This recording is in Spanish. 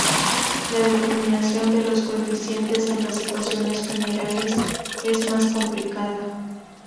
La determinación de los coeficientes en las ecuaciones generales es más complicada.